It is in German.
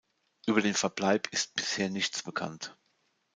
Über den Verbleib ist bisher nichts bekannt.